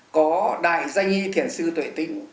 có đại danh nghi thiền sư tuệ tĩnh